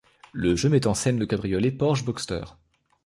Le jeu met en scène le cabriolet Porsche Boxster.